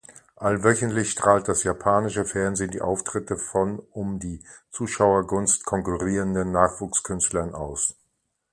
Allwöchentlich strahlt das japanische Fernsehen die Auftritte von um die Zuschauergunst konkurrierenden Nachwuchskünstlern aus.